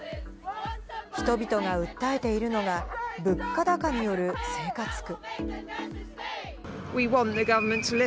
人々が訴えているのが、物価高による生活苦。